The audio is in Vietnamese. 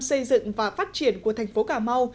xây dựng và phát triển của thành phố cà mau